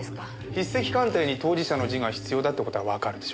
筆跡鑑定に当事者の字が必要だって事はわかるでしょ？